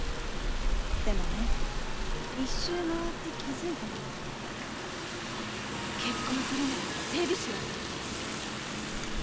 でもね一周回って気づいたの。結婚するなら整備士よ！